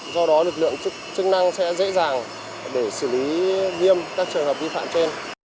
do đó lực lượng chức năng sẽ dễ dàng để xử lý viêm các trường hợp vi phạm trên